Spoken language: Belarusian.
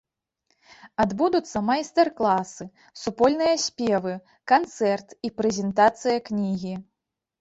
Адбудуцца майстар-класы, супольныя спевы, канцэрт і прэзентацыя кнігі.